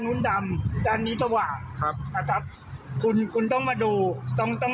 นุ่นดำด้านนี้สว่างครับนะครับคุณคุณต้องมาดูต้องต้อง